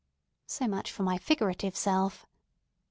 So much for my figurative self.